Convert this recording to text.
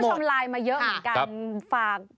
คุณผู้ชมไลน์มาเยอะเหมือนกัน